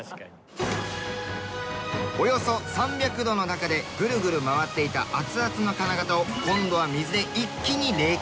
およそ３００度の中でぐるぐる回っていた熱々の金型を今度は水で一気に冷却！